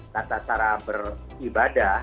tata cara beribadah